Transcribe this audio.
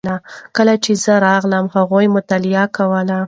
کله چې زه راغلم هغوی مطالعه کوله.